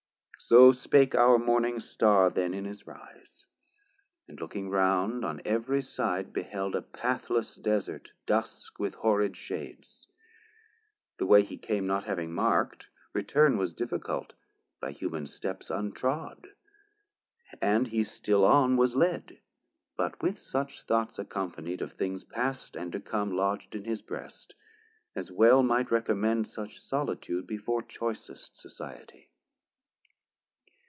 So spake our Morning Star then in his rise, And looking round on every side beheld A pathless Desert, dusk with horrid shades; The way he came not having mark'd, return Was difficult, by humane steps untrod; And he still on was led, but with such thoughts Accompanied of things past and to come 300 Lodg'd in his brest, as well might recommend Such Solitude before choicest Society.